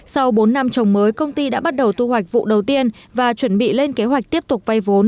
sau bốn năm trồng mới công ty đã bắt đầu tu hoạch vụ đầu tiên và chuẩn bị lên kế hoạch tiếp tục vay vốn